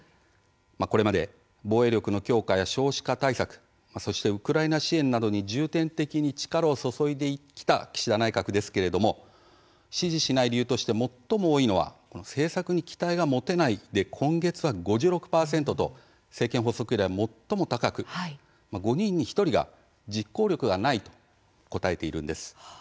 これまで防衛力の強化や少子化対策そしてウクライナ支援などに重点的に力を注いできた岸田内閣ですけれども「支持しない理由」として最も多いのは「政策に期待が持てない」で今月は５６％と政権発足以来最も高く、５人に１人が「実行力がない」と答えているんです。